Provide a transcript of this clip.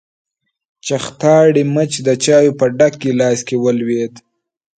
چختاړي مچ د چايو په ډک ګيلاس کې ولوېد.